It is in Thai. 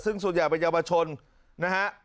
ซึ่งส่วนส่วนใหญ่วัยเยาวชนนะครับ